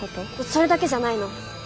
それだけじゃないの。